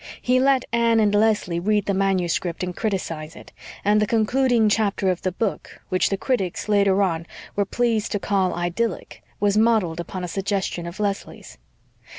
He let Anne and Leslie read the manuscript and criticise it; and the concluding chapter of the book, which the critics, later on, were pleased to call idyllic, was modelled upon a suggestion of Leslie's.